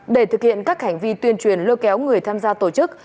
để thực hiện các hành vi tuyên truyền lôi kéo người tham gia tổ chức